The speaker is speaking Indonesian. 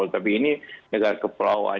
tapi ini negara keperawanan